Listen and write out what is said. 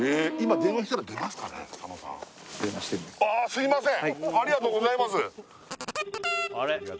すいません